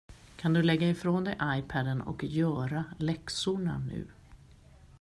Kan du lägga ifrån dig iPaden och göra läxorna nu?